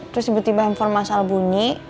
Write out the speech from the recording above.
terus tiba tiba handphone masal bunyi